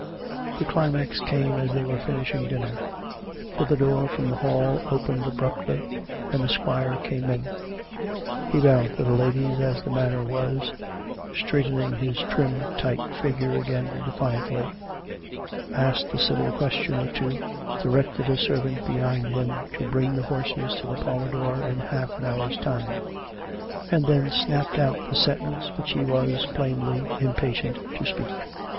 The climax came as they were finishing dinner: for the door from the hall opened abruptly, and the squire came in. He bowed to the ladies, as the manner was, straighten ing his trim, tight figure again defiantly; asked a civil question or two; directed a servant behind him to bring the horses to the parlour door in half an hour's time; and then snapped out the sentence which he was, plainly, impa tient to speak.